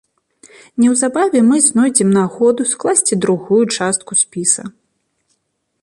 Неўзабаве мы знойдзем нагоду скласці другую частку спіса.